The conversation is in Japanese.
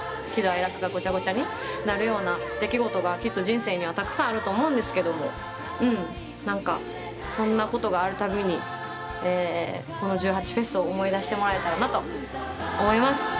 喜怒哀楽がごちゃごちゃになるような出来事がきっと人生にはたくさんあると思うんですけども何かそんなことがある度にこの１８祭を思い出してもらえたらなと思います。